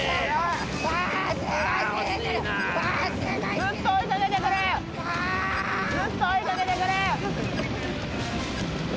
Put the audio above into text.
ずっと追いかけてくれよ。